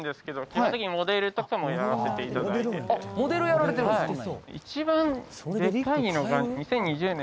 基本的にモデルとかもやらせていただいててあっモデルやられてるんですか